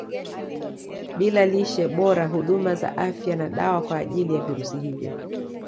Bila lishe bora huduma za afya na dawa kwa ajili ya virusi hivo